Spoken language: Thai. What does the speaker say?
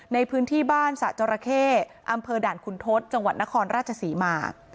ในพื้นที่บ้านสะจราเข้อำเภอด่านขุนทศจังหวัดนครราชศรีมา